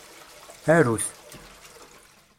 Aru-t.